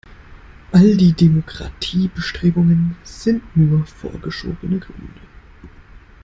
All die Demokratiebestrebungen sind nur vorgeschobene Gründe.